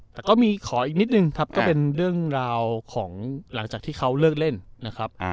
แต่ก็มีขออีกนิดนึงครับก็เป็นเรื่องราวของหลังจากที่เขาเลิกเล่นนะครับ